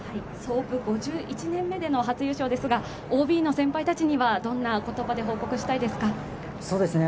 創部５１年目での初優勝ですが、ＯＢの先輩たちにはどんな言葉で報告したいですか。